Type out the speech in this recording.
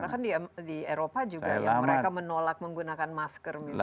bahkan di eropa juga ya mereka menolak menggunakan masker misalnya